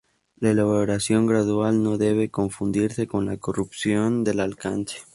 La elaboración gradual no debe confundirse con la corrupción del alcance.